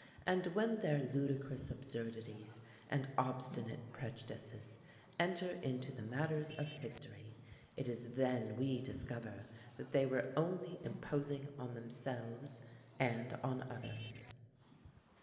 and when their ludicrous absurdities and obstinate prejudices enter into the matters of history, it is then we discover that they were only imposing on themselves and on others.